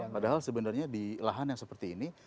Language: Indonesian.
padahal sebenarnya di lahan yang seperti ini